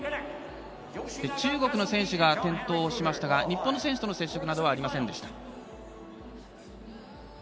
中国の選手が転倒しましたが日本の選手との接触はありませんでした。